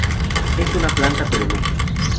Es una planta perenne.